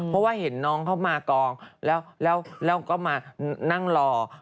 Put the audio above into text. เพราะว่าเห็นน้องเขามากองแล้วก็มานั่งรอ